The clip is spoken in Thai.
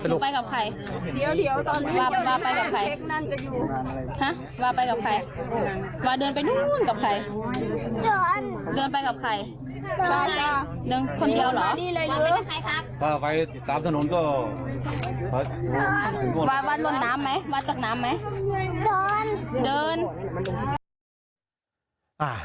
วันลดน้ำไหมวันตกน้ำไหม